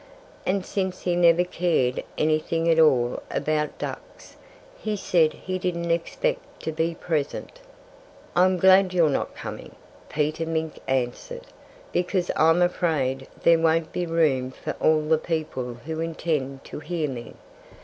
And since he never cared anything at all about ducks, he said he didn't expect to be present. "I'm glad you're not coming," Peter Mink answered, "because I'm afraid there won't be room for all the people who intend to hear me.